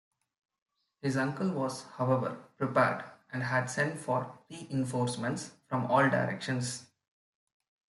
His uncle was, however, prepared and had sent for reinforcements from all directions.